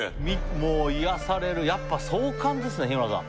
もう癒やされるやっぱ壮観ですね日村さん